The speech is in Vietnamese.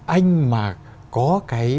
anh mà có cái